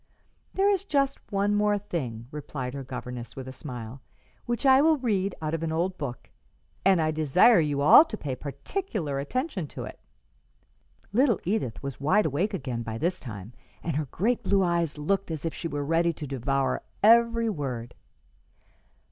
"There is just one thing more," replied her governess, with a smile, "which I will read out of an old book; and I desire you all to pay particular attention to it." Little Edith was wide awake again by this time, and her great blue eyes looked as if she were ready to devour every word.